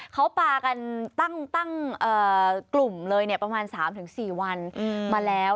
เขาปากันตั้งกลุ่มเลยประมาณ๓๔วันมาแล้ว